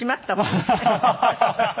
ハハハハ。